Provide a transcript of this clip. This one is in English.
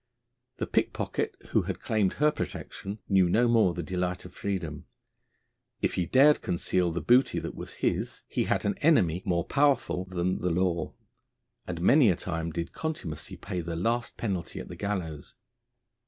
The pickpocket who had claimed her protection knew no more the delight of freedom. If he dared conceal the booty that was his, he had an enemy more powerful than the law, and many a time did contumacy pay the last penalty at the gallows.